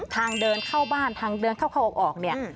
ทางเดินเข้าบ้านทางเดินเข้าออกเนี่ย